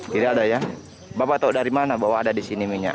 tidak ada ya bapak tahu dari mana bahwa ada di sini minyak